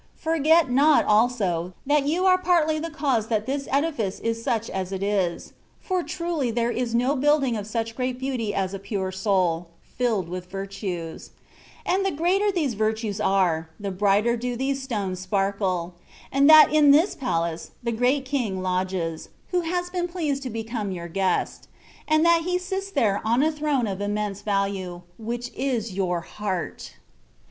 Forget not, also, that you are partly the cause that this edifice is such as it is ; for truly there is no building of such great beauty as a pure soul, filled with virtues; and the greater these virtues are, the brighter do these stones sparkle ; and that in this palace the great King lodges, who has been pleased to become your Guest ; and that He sits there on a throne of im 138 THE WAY OP PERFECTION. mense value, which is your heart.